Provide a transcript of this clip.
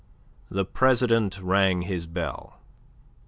The President rang his bell.